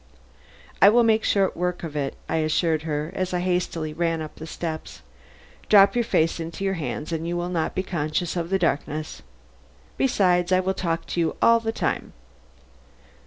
"I will make short work of it," I assured her as I hastily ran up the steps. "Drop your face into your hands and you will not be conscious of the darkness. Besides, I will talk to you all the time.